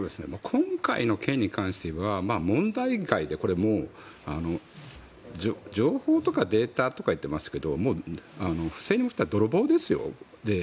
今回の件に関して言えば問題外でこれ、情報とかデータとか言ってますけどもう不正に言ったら泥棒ですよ。